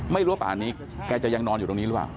ป่านนี้แกจะยังนอนอยู่ตรงนี้หรือเปล่า